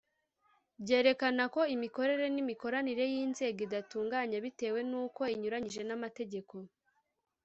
rwerekana ko imikorere n’imikoranire y’inzego idatunganye, bitewe n’uko inyuranyije n’amategeko